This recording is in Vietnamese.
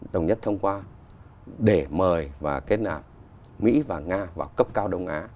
đồng nhất thông qua để mời và kết nạp mỹ và nga vào cấp cao đông á